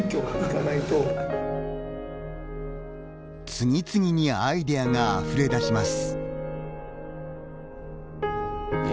次々にアイデアがあふれ出します。